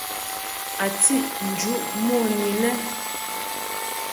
A tiʼ njuʼ mon i lɛ.